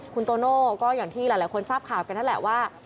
คุณโตโน่ก็อย่างที่หลายคนทราบข่าวกันนั่นแหละว่า